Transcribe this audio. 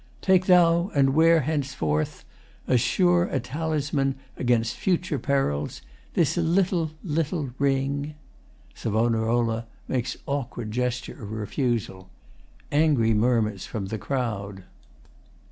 ] Take thou, and wear henceforth, As a sure talisman 'gainst future perils, This little, little ring. [SAV. makes awkward gesture of refusal. Angry murmurs from the crowd.